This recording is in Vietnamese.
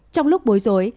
trong lúc bối rối